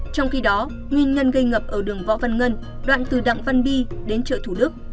trong khi đó nguyên nhân gây ngập ở đường võ văn ngân đoạn từ đặng văn bi đến chợ thủ đức